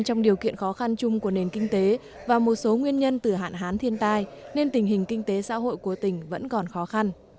trong điều kiện khó khăn chung của nền kinh tế và một số nguyên nhân từ hạn hán thiên tai nên tình hình kinh tế xã hội của tỉnh vẫn còn khó khăn